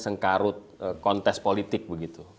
untuk kontes politik begitu